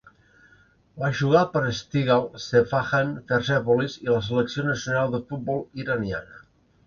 Va jugar per Esteghlal, Sepahan, Persèpolis i la selecció nacional de futbol iraniana.